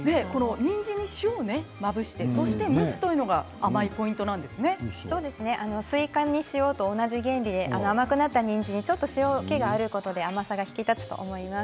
にんじんに塩まぶして蒸すというのがスイカに塩と同じ原理で甘くなったにんじんに塩けがあることで甘さが引き立つんです。